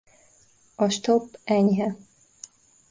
A stop enyhe.